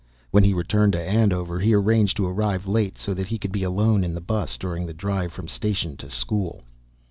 When he returned to Andover he arranged to arrive late so that he could be alone in the bus during the drive from station to school.